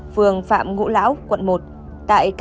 phường phạm ngũ lão quận một